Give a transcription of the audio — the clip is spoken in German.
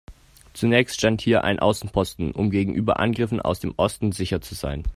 Zunächst stand hier ein Außenposten, um gegenüber Angriffen aus dem Osten sicher zu sein.